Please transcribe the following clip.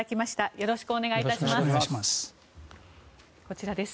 よろしくお願いします。